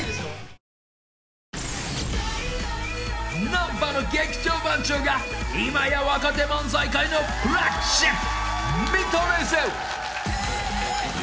［難波の劇場番長が今や若手漫才界のフラッグシップ］